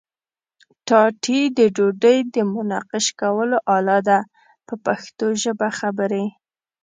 ټاټې د ډوډۍ د منقش کولو آله ده په پښتو ژبه خبرې.